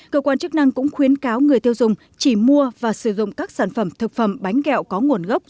cơ quan chức năng cũng khuyến cáo người tiêu dùng chỉ mua và sử dụng các sản phẩm thực phẩm bánh kẹo có nguồn gốc